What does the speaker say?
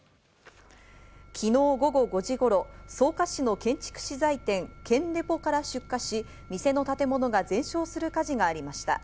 昨日午後５時頃、草加市の建築資材店、建デポから出火し、店の建物が全焼する火事がありました。